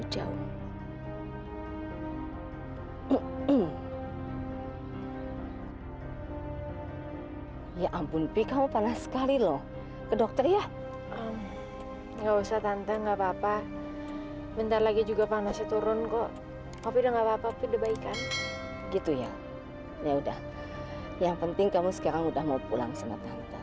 saya harus berterima kasih karena